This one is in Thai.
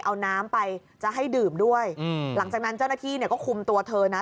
เอาน้ำไปจะให้ดื่มด้วยอืมหลังจากนั้นเจ้าหน้าที่เนี่ยก็คุมตัวเธอนะ